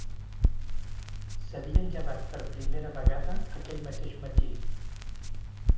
S'havien llevat per primera vegada aquell mateix matí